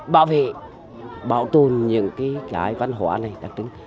bảo vệ bảo tồn những cái văn hóa này đặc trưng